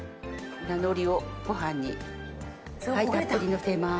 なのりをご飯にたっぷりのせます。